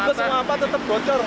mau tubuh semua apa tetep goncor